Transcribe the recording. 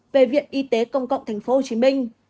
về viện y tế công cộng tp hcm